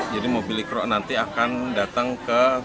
jadi mobil ikro nanti akan datang ke